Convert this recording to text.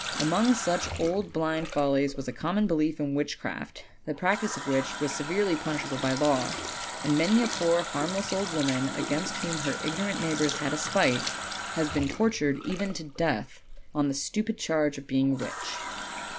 Among such old blind follies was a common belief in witchcraft, the practice of which was severely punishable by law; and many a poor harmless old woman, against whom her ignorant neighbors had a spite, has been tortured even to death, on the stupid charge of being a witch.